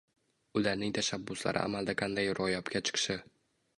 ularning tashabbuslari amalda qanday ro‘yobga chiqishi